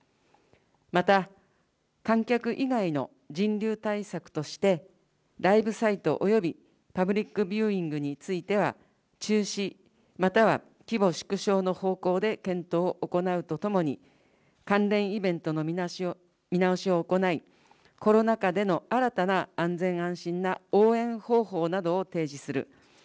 また、観客以外の人流対策として、ライブサイトおよびパブリックビューイングについては中止、または規模縮小の方向で検討を行うとともに、関連イベントの見直しを行い、コロナ禍での新たな安全・安心な応援方法などを提示する。